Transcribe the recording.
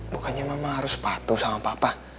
bukannya memang harus patuh sama papa